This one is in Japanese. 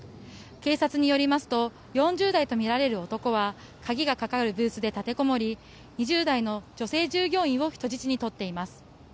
警察によりますと４０代とみられる男は鍵がかかるブースで立てこもり２０代の女性従業員を人質に取っています。